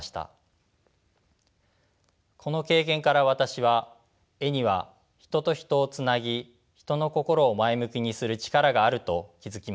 この経験から私は絵には人と人をつなぎ人の心を前向きにする力があると気付きました。